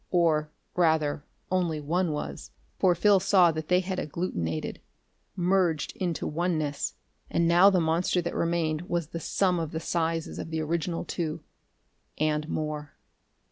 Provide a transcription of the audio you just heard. Or, rather, only one was. For Phil saw that they had agglutenated merged into oneness and now the monster that remained was the sum of the sizes of the original two. And more....